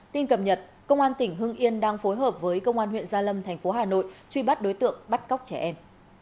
tin cập nhật công an tỉnh hưng yên đang phối hợp với công an huyện gia lâm thành phố hà nội truy bắt đối tượng bắt cóc trẻ em